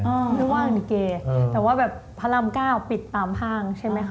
ไม่ว่างเลยเก่แต่ว่าแบบพระรำก้าวปิดตามห้างใช่ไหมครับ